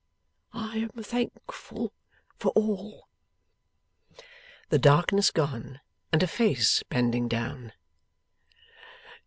I am thankful for all!' The darkness gone, and a face bending down.